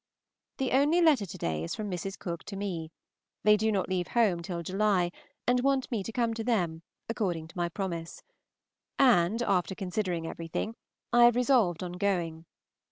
The only letter to day is from Mrs. Cooke to me. They do not leave home till July, and want me to come to them, according to my promise. And, after considering everything, I have resolved on going.